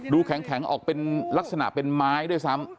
ดูแข็งออกเป็นลักษณะเป็นไม้ด้วยซ้ำ